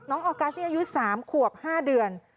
น้องออร์กัสนี่อายุ๓ขวบ๕เดือน